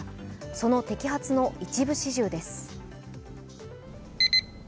その摘発の一部始終です。